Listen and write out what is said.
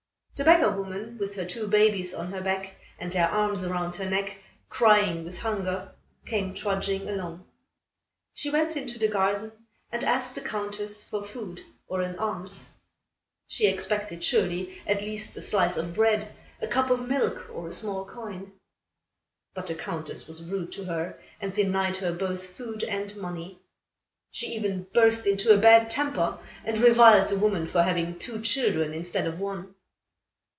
The beggar woman, with her two babies on her back and their arms round her neck, crying with hunger, came trudging along. She went into the garden and asked the Countess for food or an alms. She expected surely, at least a slice of bread, a cup of milk, or a small coin. But the Countess was rude to her and denied her both food and money. She even burst into a bad temper, and reviled the woman for having two children, instead of one.